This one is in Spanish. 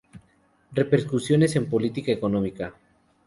Repercusiones en política económica.